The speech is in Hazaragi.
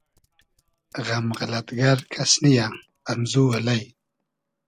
غئم غئلئد گئر کئس نییۂ امزو الݷ